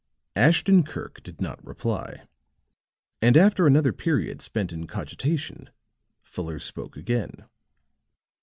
Ashton Kirk did not reply; and after another period spent in cogitation, Fuller spoke again.